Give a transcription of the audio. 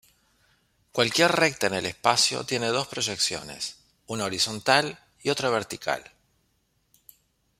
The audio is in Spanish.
Cualquier recta en el espacio tiene dos proyecciones, una horizontal y otra vertical.